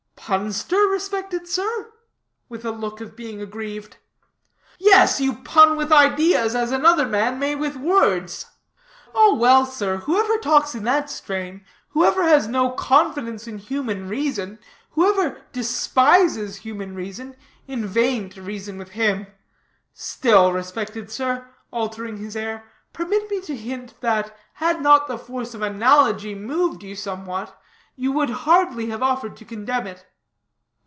"Punster, respected sir?" with a look of being aggrieved. "Yes, you pun with ideas as another man may with words." "Oh well, sir, whoever talks in that strain, whoever has no confidence in human reason, whoever despises human reason, in vain to reason with him. Still, respected sir," altering his air, "permit me to hint that, had not the force of analogy moved you somewhat, you would hardly have offered to contemn it."